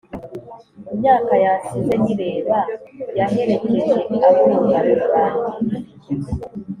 imyaka yansize nyireba yaherekeje ab` urungano rwanjye